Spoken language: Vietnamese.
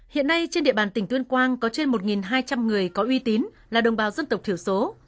hiện nay trên địa bàn tỉnh tuyên quang có trên một hai trăm linh người có uy tín là đồng bào dân tộc thiểu số